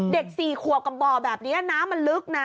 เด็กสี่ขวบกับบ่อแบบนี้น้ำมันลึกนะ